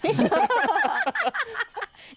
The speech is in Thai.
ฮ่า